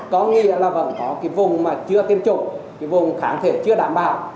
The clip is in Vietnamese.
có nghĩa là vẫn có cái vùng mà chưa tiêm chủng cái vùng kháng thể chưa đảm bảo